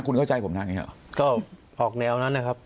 คุณเข้าใจผมนะอย่างนี้หรอก็ออกแนวนั้นนะครับ